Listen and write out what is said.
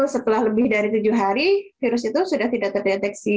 setelah lebih dari tujuh hari virus itu sudah tidak terdeteksi